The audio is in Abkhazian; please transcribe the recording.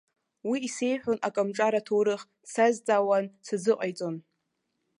Уи исеиҳәон акомҿар аҭоурых, дсазҵаауан, сазыҟаиҵон.